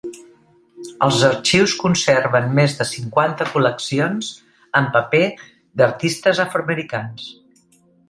Els arxius conserven més de cinquanta col·leccions en paper d'artistes afroamericans.